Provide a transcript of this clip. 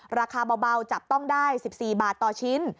ราคาเบาจับต้องได้๑๔บาทต่อชิ้น